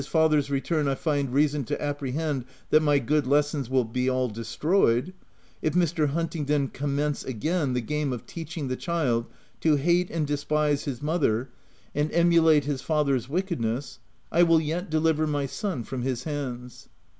7$ father's return I find reason to apprehend that my good lessons will be all destroyed — if Mr. Huntingdon commence again the game of teaching the child to hate and despise his mother and emulate his father's wickedness, I will yet deliver my son from his hands.